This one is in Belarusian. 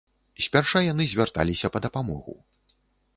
Спярша яны звярталіся па дапамогу.